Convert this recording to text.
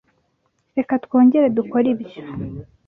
Reka twongere dukore ibyo.